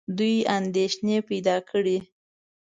دوی اندېښنې پیدا کړې.